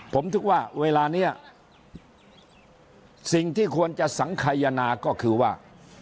ผมคิดว่าเวลานี้สิ่งที่ควรจะสังขยนาก็คือว่า